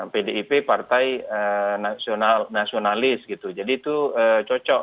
pdip partai nasionalis gitu jadi itu cocok